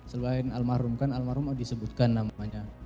selain almarhum kan almarhum disebutkan namanya